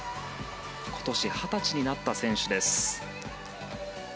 今年、二十歳になった選手です。